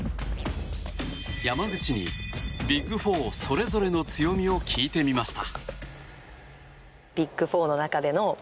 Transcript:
山口に、ビッグ４それぞれの強みを聞いてみました。